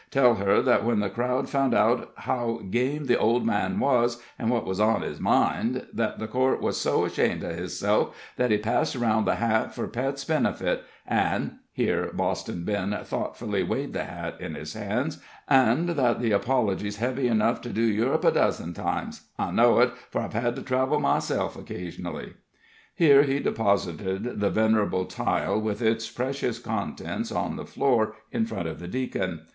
Tell her that when the crowd found out how game the old man was, and what was on his mind, that the court was so ashamed of hisself that he passed around the hat for Pet's benefit, and" here Boston Ben thoughtfully weighed the hat in his hands "and that the apology's heavy enough to do Europe a dozen times; I know it, for I've had to travel myself occasionally." Here he deposited the venerable tile with its precious contents on the floor in front of the deacon.